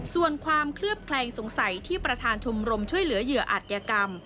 ส่วนความเคลือบแคลงสงสัยที่ประธานชมรมช่วยเหลือเหยื่ออาจยกรรม